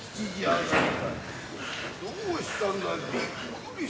どうしたんだい。